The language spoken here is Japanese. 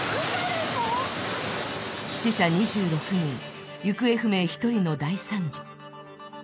死者２６人、行方不明１人の大惨事。